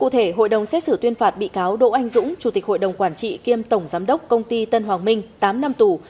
trong xét xử tuyên phạt bị cáo đỗ anh dũng chủ tịch hội đồng quản trị kiêm tổng giám đốc công ty tân hoàng minh tám năm tù